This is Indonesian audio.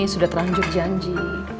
sudah terlanjur janji